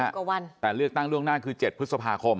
กว่าวันแต่เลือกตั้งล่วงหน้าคือ๗พฤษภาคม